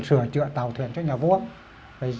sửa trựa tàu thuyền cho nhà vua